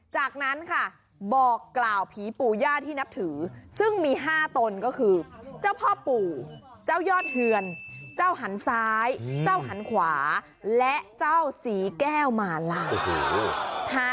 จากนั้นค่ะบอกกล่าวผีปู่ย่าที่นับถือซึ่งมี๕ตนก็คือเจ้าพ่อปู่เจ้ายอดเฮือนเจ้าหันซ้ายเจ้าหันขวาและเจ้าศรีแก้วมาลา